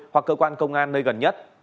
hoặc cơ quan công an nơi gần nhất